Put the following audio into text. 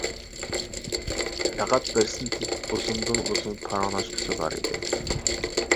پەقەت بىرسىنى تېپىپ ئۇزۇندىن ئۇزۇن پاراڭلاشقۇسى بار ئىدى.